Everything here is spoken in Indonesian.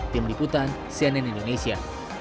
tim liputan cnn indonesia